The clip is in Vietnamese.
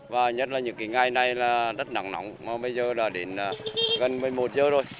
và nhất là những ngày này rất nặng nỏng bây giờ đã đến gần một mươi một giờ rồi